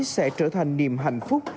sẽ trở thành niềm hạnh phúc